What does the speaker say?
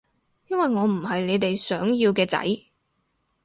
因為我唔係你哋想要嘅仔